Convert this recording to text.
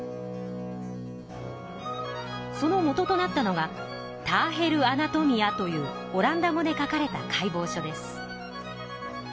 そのもととなったのが「ターヘル・アナトミア」というオランダ語で書かれた解剖書です。